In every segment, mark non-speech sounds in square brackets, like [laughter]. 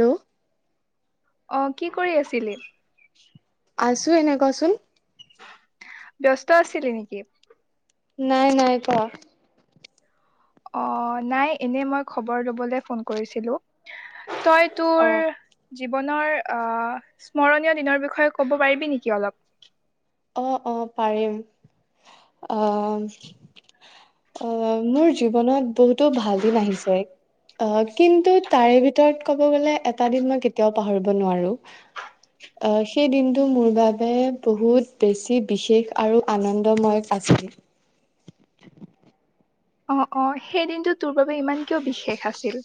Hello অঁ কি কৰি আছিলি? আছো এনে কোৱাচোন ব্যস্ত আছিলি নেকি নাই নাই কোৱা অ নাই এনে মই খবৰ লবলৈ ফোন কৰিছিলো তই অ। তোৰ জীৱনৰ আহ স্মৰণীয় দিনৰ বিষয়ে ক'ব পাৰিবি নেকি অলপ অ অ পাৰিম আহ অ মোৰ জীৱনত বহুতো ভাল দিন আহিছে অ কিন্তু তাৰে ভিতৰত ক'ব গ'লে এটা দিন মই কেতিয়াও পাহৰিব নোৱাৰো অ সেই দিনটো মোৰ বাবে বহুত বেছি বিশেষ আৰু আনন্দময় আছিল অ অ সেই দিনটো তোৰ বাবে ইমান কিয় বিশেষ আছিল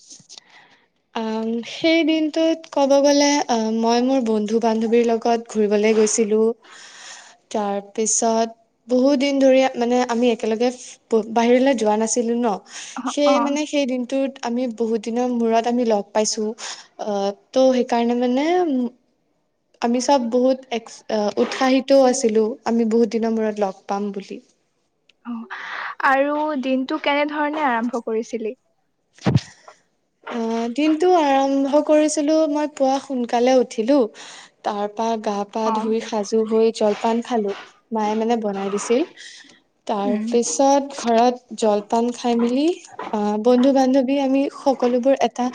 সেই দিনটোত ক'ব গ'লে মই মোৰ বন্ধু বান্ধৱীৰ লগত ঘুৰিবলে গৈছিলোঁ তাৰ পিছত বহুত দিন ধৰি মানে আমি একেলগে বাহিৰলৈ যোৱা নাছিলো ন? অ সেইয়ে অ মানে সেই দিনটোত আমি বহুত দিনৰ মূৰত আমি লগ পাইছো, আহ ত' সেইকাৰণে মানে আমি চব বহুত এক আহ উৎসাহিতও আছিলো আমি বহুত দিনৰ মূৰত লগ পাম বুলি। আৰু দিনটো কেনেধৰণে আৰম্ভ কৰিছিলি? অ' দিনটো আৰম্ভ কৰিছিলো মই পুৱা সোনকালে উঠিলো তাৰ পৰা গা পা অ ধুই সাজু হৈ জলপান খালো, মায়ে মানে বনাই দিছিল। তাৰ উম পিছত ঘৰত জলপান খাই মেলি অ' বন্ধু বান্ধৱী আমি সকলোবোৰ এটা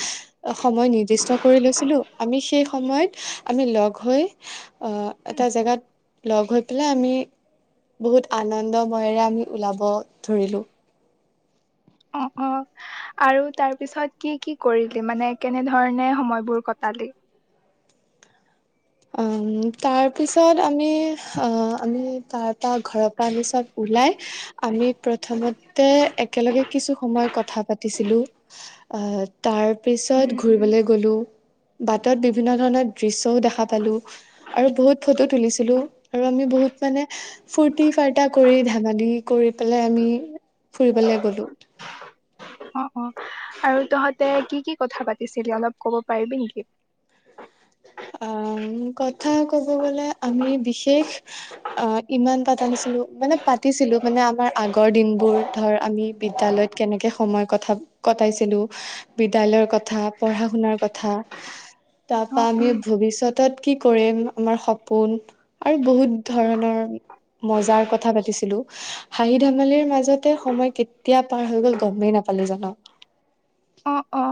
সময় নিৰ্দিষ্ট কৰি লৈছিলো, আমি সেই সময়ত আমি লগ হৈ এটা জেগাত লগ হৈ পেলাই আমি বহুত আনন্দময়েৰে আমি ওলাব ধৰিলোঁ। অ', অ' আৰু তাৰ পিছত কি কি কৰিলি? মানে কেনেধৰণে সময়বোৰ কটালি? তাৰপিছত আমি আমি তাৰপৰা ঘৰৰ পৰা আমি চব ওলাই আমি প্ৰথমতে একেলগে কিছু সময় কথা পাতিছিলো। আহ তাৰ পিছত উম উম ঘূৰিবলৈ গ'লো, বাটত বিভিন্ন ধৰণৰ দৃশ্যও দেখা পালো, আৰু বহুত ফটো তুলিছিলো, আৰু আমি বহুত মানে ফূুৰ্তি ফাৰ্তা কৰি ধেমালি কৰি পেলাই আমি ফুৰিবলৈ গ'লো। অ', অ'। আৰু তহঁতে কি কি কথা পাতিছিলি অলপ ক'ব পাৰিবি নেকি? আহ কথা ক'ব গ'লে আমি বিশেষ অ' ইমান পাতা নিছিলো মানে পাতিছিলো মানে আমাৰ আগৰ দিনবোৰ ধৰ আমি বিদ্যালয়ত কেনেকে সময় কথা কটাইছিলোঁ বিদ্যালয়ৰ কথা, পঢ়া শুনাৰ কথা, তাৰ অ পৰা আমি উম, ভৱিষ্যতত কি কৰিম, আমাৰ সপোন আৰু বহুত ধৰণৰ মজাৰ কথা পাতিছিলো। হাঁহি ধেমালিৰ মাজতে সময় কেতিয়া পাৰ হৈ গ'ল গ'মেই নাপালো জান। অ', অ'।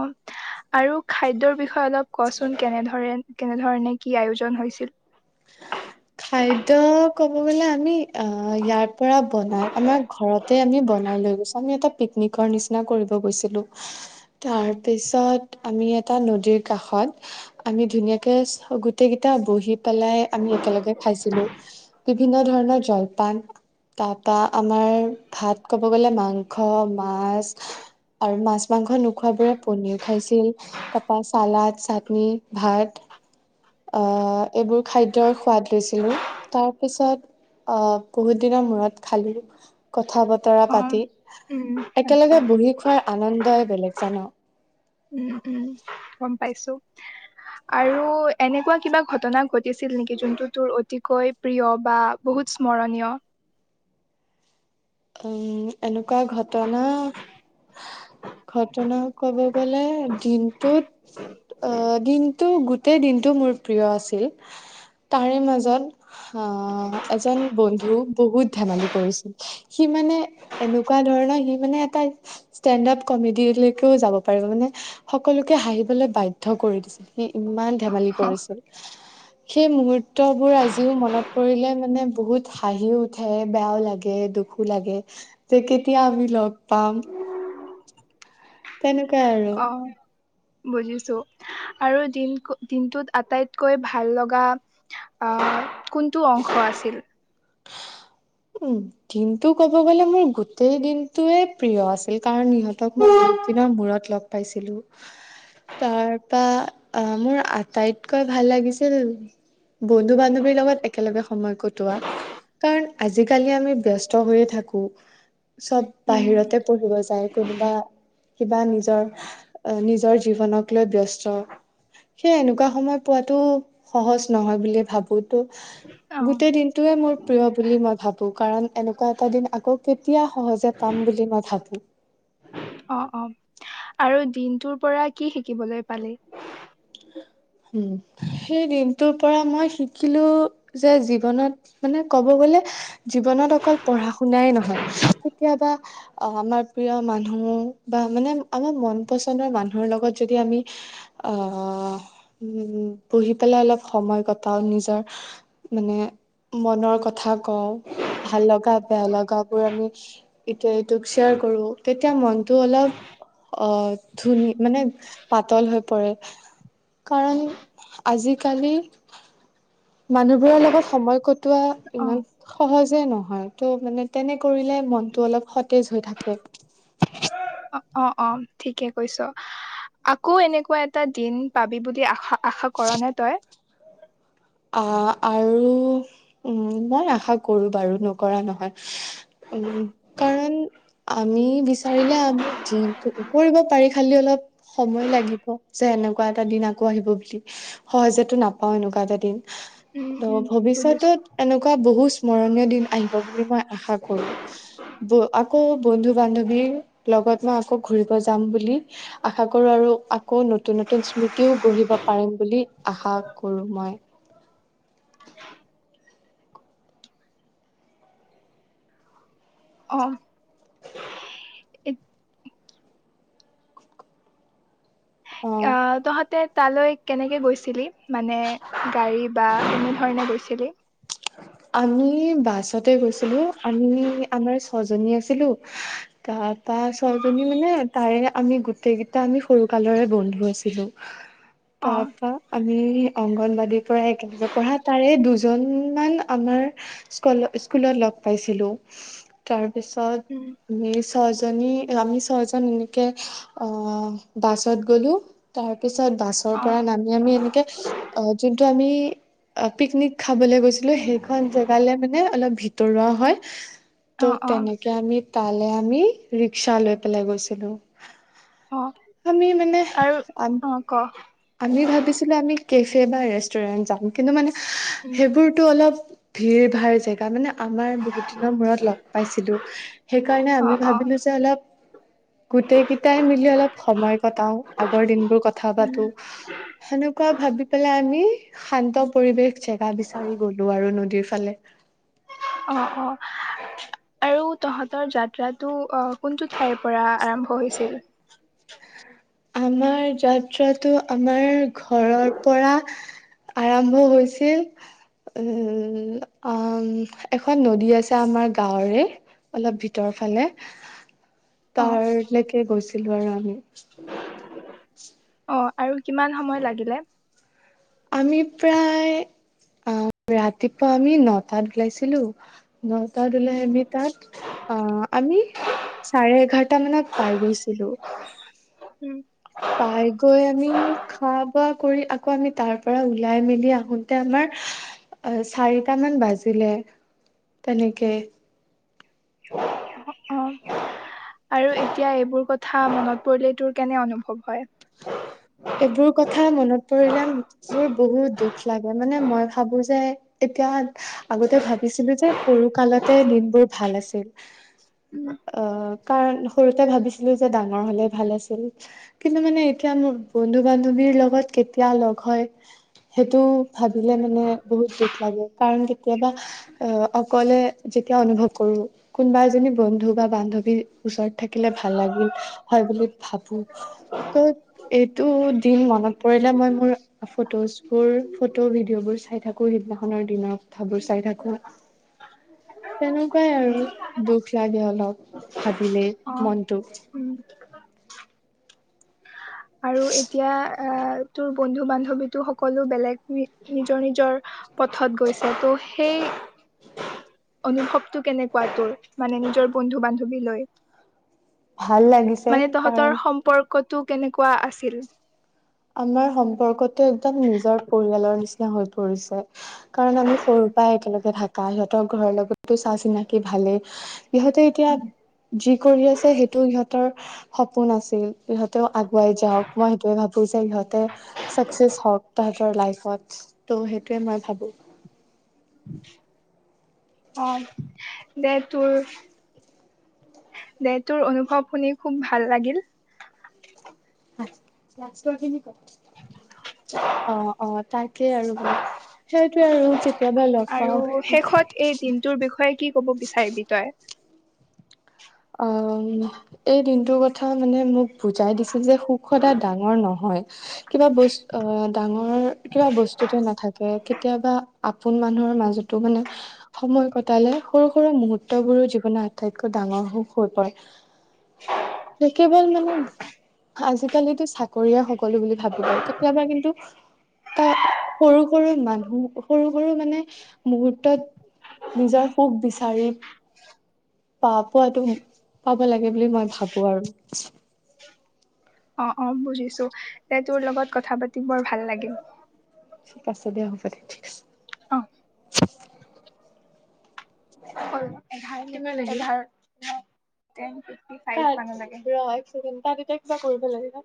আৰু খাদ্যৰ বিষয়ে অলপ কোৱাচোন কেনেধৰেণ কেনেধৰণে কি আয়োজন হৈছিল? [unintelligible] খাদ্য ক'ব গ'লে আমি অ' ইয়াৰ পৰা বনাই আমাৰ ঘৰত তে আমি বনাই লৈ গৈছো। আমি এটা পিকনিকৰ নিচিনা কৰিব গৈছিলো। তাৰপিছত আমি এটা নদীৰ কাষত আমি ধুনীয়াকে গোটেই কেইটা বহি পেলাই আমি একেলগে খাইছিলো। বিভিন্ন ধৰণৰ জলপান তাৰপা আমাৰ ভাত ক'ব গ'লে মাংস, মাছ আৰু মাছ মাংস নোখোৱাবোৰে পনীৰ খাইছিল। তাৰপা চালদ চাটনি ভাত অ, এইবোৰ খাদ্যৰ সোৱাদ লৈছিলোঁ। তাৰপিছত অ', বহুত দিনৰ মূৰত খালি কথা বত তৰা অ পাতি উম আচ্ছা একেলগে বহি খোৱাৰ আনন্দই বেলেগ জান? উম, উম গ'ম পাইছো। আৰু এনেকুৱা কিবা ঘটনা ঘটিছিল নেকি যোনটো তোৰ অতিকৈ প্ৰিয় বা বহুত স্মৰণীয় উম, এনেকুৱা ঘটনা ঘটনা ক'ব গলে দিনটোত আহ দিনটো গোটেই দিনটো মোৰ প্ৰিয় আছিল তাৰে মাজত আহ এজন বন্ধু বহুত ধেমালি কৰিছিল সি মানে এনেকুৱা ধৰণৰ সি মানে এটা ষ্টেণ্ড আপ কমেডিলৈকেও যাব পাৰিব মানে সকলোকে হাঁহিবলৈ বাধ্য কৰি দিছিল সি ইমান ধেমালি কৰিছিল সেই মুহুৰ্তবোৰ আজিও মনত পৰিলে মানে বহুত হাঁহিও উঠে বেয়াও লাগে দুখ লাগে তে কেতিয়া আমি লগ পাম তেনেকুৱা আৰু অ, বুজিছো আৰু দিন দিনটোত আটাইতকৈ ভাল লগা আহ, কোনটো অংশ আছিল? উম, দিনটো ক'ব গ'লে মোৰ গোটেই দিনটোৱে প্ৰিয় আছিল কাৰণ ইহত মই বহুত দিনৰ মূৰত লগ পাইছিলো তাৰপা অ, মোৰ আটাইতকৈ ভাল লাগিছিল বন্ধু বান্ধৱীৰ লগত একেলগে সময় কটোৱা কাৰণ আজিকালি আমি ব্যস্ত হৈয়ে থাকো চব উম বাহিৰতে পঢ়িব যায় কোনোবা কিবা নিজৰ নিজৰ জীৱনক লৈ ব্যস্ত সেই এনেকুৱা সময় পোৱাতো সহজ নহয় বুলিয়েই ভাবো অ গোটেই দিনটোয়ে মোৰ প্ৰিয় বুলি মই ভাবোঁ কাৰণ এনেকুৱা এটা দিন আকৌ কেতিয়া সহজে পাম বুলি মই ভাবোঁ অ, অ, আৰু দিনটোৰ পৰা কি শিকিবলৈ পালি? উম, সেই দিনটোৰ পৰা মই শিকিলো যে জীৱনত মানে ক'ব গ'লে জীৱনত অকল পঢ়া শুনাই নহয় কেতিয়াবা অ, আমাৰ প্ৰিয় মানুহ বা মানে আমাৰ মন পচন্দৰ মানুহৰ লগত যদি আমি আহ, উ, বহি পেলাই অলপ সময় কটাও নিজৰ মানে মনৰ কথা কওঁ ভাল লগা বেয়া লগাবোৰ আমি ইটোয়ে সিটোক শ্বেয়াৰ কৰো তেতিয়া মনটো অলপ অ, ধুনি মানে পাতল হৈ পৰে কাৰণ আজিকালি মানুহবোৰৰ লগত সময় কটোৱা অ ইমান সহজে নহয় ত' মানে তেনে কৰিলে মনটো অলপ সতেজ হৈ থাকে অ, অ, অ, ঠিকে কৈছ আকৌ এনেকুৱা এটা দিন পাবি বুলি আশা আশা কৰ নে তই? আহ, আৰু উম, মই আশা কৰো বাৰু নকৰা নহয় উম, কাৰণ আমি বিচাৰিলে আমি যিটো কৰিব পাৰি খালি অলপ সময় লাগিব যে এনেকুৱা এটা দিন আকৌ আহিব বুলি সহজেতো নাপাও এনেকুৱা এটা দিন উম ত উম বুজিছো। ভৱিষ্যতত এনেকুৱা বহু স্মৰণীয় দিন আহিব বুলি মই আশা কৰো। বৌ আকৌ বন্ধু বান্ধৱীৰ লগত মই আকৌ ঘূৰিব যাম বুলি - আশা কৰো আৰু আক - আকৌ নতুন নতুন স্মৃতিও গঢ়িব পাৰিম বুলি আশা কৰো মই। অ'। এত- অ আ, তহঁতে তালৈ কেনেকে গৈছিলি? মানে গাড়ী বা কেনেধৰণে গৈছিলি? আমি বাছতে গৈছিলোঁ, আমি আমাৰ ছজনী আছিলোঁ তা তাৰছজনী মানে তাৰে আমি গোটেইকেইটা আমি সৰু কালৰে বন্ধু আছিলোঁ। [inaudible] তাৰপা আমি অংগনবাদীৰ পৰা একেলগে পঢ়া, তাৰে দুজন ইমান আমাৰ স্কুল-স্কুলত লগ পাইছিলোঁ তাৰপিছত উ। ই ছজনি, আমি ছয়জন এনেকে বাছত গ'লোঁ তাৰপিছত বাছ য'ৰ অ', পৰা নামি আমি এনেকে অ' যোনটো আমি পিকনিক খাবলৈ গৈছিল সেইখন জেগালে মানে অলপ ভিতৰুৱা হয় অ', ত' অ', তেনে তে আমি তালে আমি ৰিক্সা লৈ পেলাই গৈছিলোঁ। অ', আমি মানে আৰু আন অ', ক। আমি ভাবিছিলোঁ আমি কেফে বা ৰেষ্টুৰেন্ট যাম কিন্তু মানে উম সেইবোৰ টো অলপ ভিৰ ভাৰ জেগা মানে আমাৰ বহুত দিনৰ মূৰত লগ পাইছিলোঁ সেইকাৰণে আমি অ', অ', ভাবিলোঁ যে অলপ গোটেই কেইটাই মিলি অলপ সময় কটাও, আগৰ দিনবোৰ কথা উম পাতোঁ হেনেকুৱা ভাবি পেলাই আমি শান্ত পৰিৱেশ জেগা বিচাৰি গ'লোঁ আৰু নদীৰ ফালে। অ', অ', আৰু তহঁতৰ যাত্ৰাটো অ' কোনটোত ঠাইৰ পৰা আৰম্ভ হৈছিল? আমাৰ যাত্ৰাটো আমাৰ ঘৰৰ পৰা আৰম্ভ হৈছিল। উ, উ, উ, অ' এখন নদী আছে আমাৰ গাঁৱৰে অলপ ভিতৰ ফালে, অ', তাৰ লৈকে গৈছিলোঁ আৰু আমি। [inaudible] [inaudible] অ', আৰু কিমান সময় লাগিলে? আমি প্ৰায় আ, ৰাতিপুৱা আমি নটাত ওলাইছিলোঁ নটাত ওলাই উম, আমি তাত অ' আমি চাৰে এঘাৰটা মানত পাই গৈছিলোঁ। উম। পাই গৈ আমি খোৱা বোৱা কৰি আকৌ আমি তাৰ পৰা ওলাই মেলি আহোঁতে আমাৰ অ' চাৰিটামান বাজিলে তেনেকে। অ'। আৰু এতিয়া এইবোৰ কথা মনত পৰিলে তোৰ কেনে অনুভৱ হয়? এইবোৰ কথা মনত পৰিলে মোৰ বহুত দুখ লাগে, মানে মই ভাবোঁ যে এতিয়া আগতে ভাবিছিলোঁ যে সৰু কালতে দিনবোৰ ভাল আছিল। উ। অ', কাৰণ সৰুতে ভাবিছিলোঁ যে ডাঙৰ হ'লে ভাল আছিল। কিন কি মানে এতিয়া মোৰ বন্ধু বান্ধৱীৰ লগত কেতিয়া লগ হয় সেইটো ভাবিলে মানে বহুত দুখ লাগে কাৰণ কেতিয়াবা অ অকলে যেতিয়া অনুভৱ কৰো কোনোবা এজনী বন্ধু বা বান্ধৱীৰ ওচৰত থাকিলে ভাল লাগিল হয় বুলি ভাবো ত এইটো দিন মনত পৰিলে মই মোৰ ফটোচ বোৰ ফটো ভিডিঅ' বোৰ চাই থাকো সিদিনাখনৰ দিনৰ কথাবোৰ চাই থাকো [inaudible] তেনেকুৱাই আৰু দুখ লাগে অলপ ভাবিলেই অ মনটো উম আৰু এতিয়া আ তোৰ বন্ধু বান্ধৱীতো সকলো বেলেগ নিজৰ নিজৰ পথত গৈছে ত' সেই অনুভৱটো কেনেকুৱা তোৰ মানে নিজৰ বন্ধু বান্ধৱীলৈ ভাল লাগিছে মানে তহঁতৰ কাৰণ সম্পৰ্কটো কেনেকুৱা আছিল আমাৰ সম্পৰ্কটো একদম নিজৰ পৰিয়ালৰ নিচিনা হৈ পৰিছে কাৰণ আমি সৰুৰ পৰাই একেলগে থাকা সিহঁতৰ ঘৰৰ লগতো চাহ চিনাকি ভালেই ইহঁতে এতিয়া যি কৰি আছে সেইটো ইহঁতৰ সপোন আছিল ইহঁতেও আগুৱাই যাওক মই সেইটোৱে ভাবো যে সিহঁতে চাকচেছ হওক তাহ তৰ লাইত ত' সেইটোৱে মই ভাবো। অ দে তোৰ দে তোৰ অনুভৱ শুনি খুব ভাল লাগিল। অ অ তাকেই আৰু মানে সেইটোৱে আৰু কেতিয়াবা লগ আৰু পাও শেষত এই দিনটোৰ বিষয়ে কি ক'ব বিচাৰিবি তই অ এই দিনটোৰ কথা মানে মোক বুজাই দিছিল যে সুখ সদায় ডাঙ ডাঙৰ নহয় কিবা বস্ত ডাঙৰ কিবা বস্তুতে নাথাকে কেতিয়াবা আপোন মানুহৰ মাজতো মানে সময় কটালে সৰু সৰু মুহুৰৰ্তবোৰো জীৱনত আটাইতকৈ ডাঙৰ সুখ হৈ পৰে কেৱল মানে আজিকালিতো চাকৰিয়ে সকলো বুলি ভাবি লও কেতিয়াবা কিন্তু এটা সৰু সৰু মানুহ সৰু সৰু মানে মুহুৰ্তত নিজৰ সুখ বিচাৰি প পোৱাটো পাব লাগে বুলি মই ভাবো আৰু অ অ বুজিছো তে তোৰ লগত কথা পাতি বৰ ভাল লাগিল ঠিক আছে দিয়া হ'ব দে ঠিক আছে অ হল এঘাৰ মিনিট এঘাৰ [unintelligible] এতিয়া কিবা কৰিব লাগিব